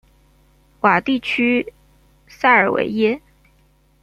瓦地区塞尔维耶。